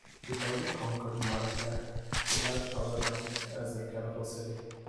Before they conquered Marrakech, they had Taroudannt as their capital city.